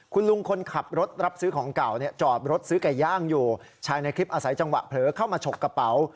คุณลุงคนขับรถรับซื้อของเก่าเนี่ยจอดรถซื้อไก่ย่างอยู่ชายในคลิปอาศัยจังหวะเผลอเข้ามาฉกกระเป๋า